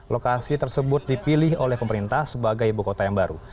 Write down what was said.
lokasi tersebut dipilih oleh pemerintah sebagai ibu kota yang baru